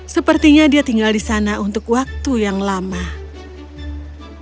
sepertinya dia tinggal di sana untuk waktu yang lama